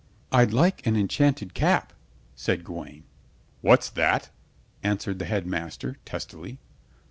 "I'd like an enchanted cap," said Gawaine. "What's that?" answered the Headmaster, testily.